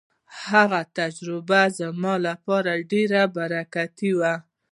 هغه تجربه زما لپاره ډېره برکتي وه.